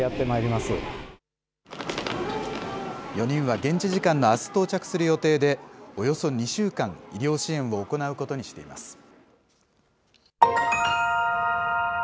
４人は現地時間のあす到着する予定で、およそ２週間、医療支援を行うことにしています。